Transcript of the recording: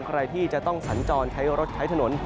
ใครที่จะต้องสัญจรใช้รถใช้ถนน